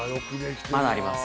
まだあります。